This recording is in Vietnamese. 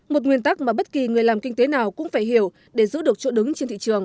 một nguyên tắc mà bất kỳ người làm kinh tế nào cũng phải hiểu để giữ được chỗ đứng trên thị trường